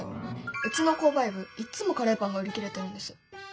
うちの購買部いっつもカレーパンが売り切れてるんです。